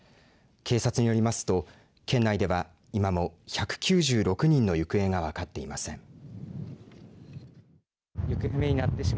警察によりますと県内では今も１９６人の行方が分かっていません。